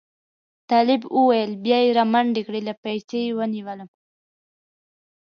طالب وویل بیا یې را منډې کړې له پایڅې یې ونیولم.